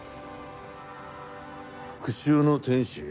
復讐の天使？